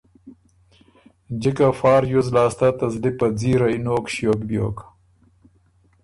جکه فا ریوز لاسته ته زلی په ځیرئ نوک ݭیوک بيوک